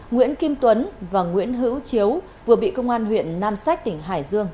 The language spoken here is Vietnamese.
nguyễn kim tuấn và nguyễn hữu chiếu vừa bị công an huyện nam sách tỉnh hải dương